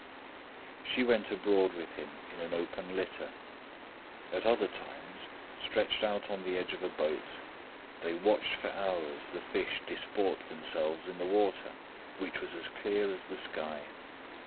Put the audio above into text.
She went abroad with him in an open litter; at other times, stretched out on the edge of a boat, they watched for hours the fish disport themselves in the water, which was as clear as the sky.